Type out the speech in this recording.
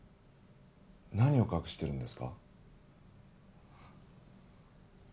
何を隠してるんですか？